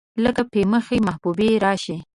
لکه پۍ مخې محبوبې راشي